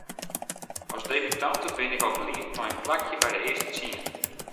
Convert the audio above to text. As debutante bin ik al bliid mei in plakje by de earste tsien.